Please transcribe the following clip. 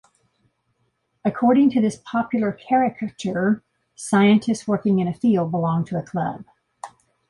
According to this popular caricature, scientists working in a field belong to a club.